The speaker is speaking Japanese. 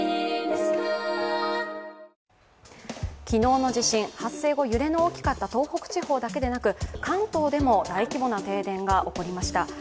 昨日の地震、発生後揺れの大きかった東北地方だけでなく関東でも大規模な停電が起こりました。